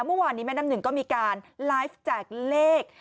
เมื่อวานนี้แม่น้ำหนึ่งก็มีการไลฟ์แจกเลข